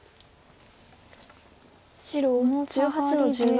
白１８の十七。